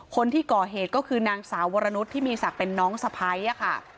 คนที่ก่อเหตุก็คือนางสาววรนุษย์ที่มีศักดิ์เป็นน้องสะพ้ายค่ะ